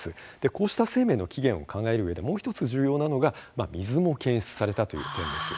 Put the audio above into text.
こうした生命の起源を考えるうえでもう１つ重要なのが水も検出されたという点です。